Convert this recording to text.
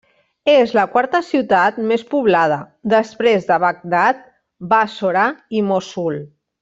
És la quarta ciutat més poblada després de Bagdad, Bàssora i Mossul.